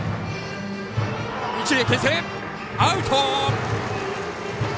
アウト。